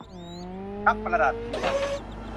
รักประดับชีวัน - อร